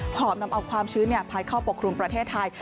อบนำเอาความชื้นพัดเข้าปกครุมประเทศไทย